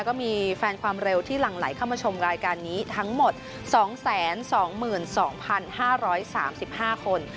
ก็มีแฟนความเร็วที่หลั่งไหลเข้ามาชมรายการนี้ทั้งหมด๒๒๒๕๓๕คน